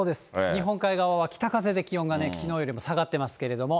日本海側は北風で気温がきのうよりも下がってますけれども。